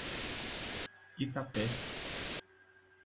Itapé